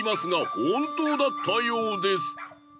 本当だったようです。